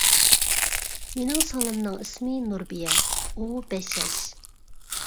مېنىڭ سىڭلىمنىڭ ئىسمى نۇربىيە، ئۇ بەش ياش.